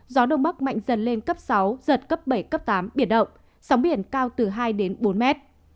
gió đông bắc mạnh dần lên cấp sáu giật cấp bảy cấp tám biển động sóng biển cao từ hai đến bốn mét